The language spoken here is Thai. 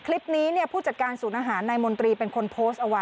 คลิปนี้เนี่ยผู้จัดการศูนย์อาหารนายมนตรีเป็นคนโพสต์เอาไว้